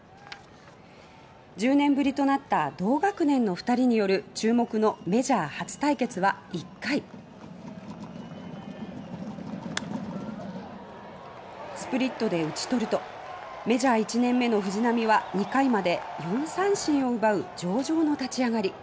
１０年ぶりとなった同学年の２人による注目のメジャー初対決は１回スプリットで打ち取るとメジャー１年目の藤浪は２回まで４三振を奪う上々の立ち上がり。